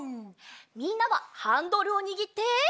みんなはハンドルをにぎって。